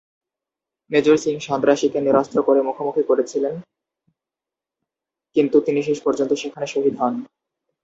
Major Singh সন্ত্রাসীকে নিরস্ত্র করে মুখোমুখি করেছিলেন কিন্তু তিনি শেষপর্যন্ত সেখানে শহীদ হন।